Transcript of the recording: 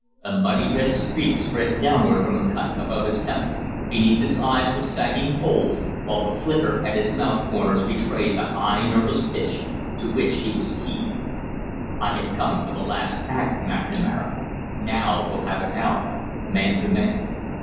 A muddy red streak spread downward from a cut above his temple, beneath his eyes were sagging folds, while the flicker at his mouth corners betrayed the high nervous pitch to which he was keyed. "I have come for the last act, McNamara; now we'll have it out, man to man."